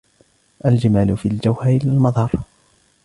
الجمال في الجوهر لا المظهر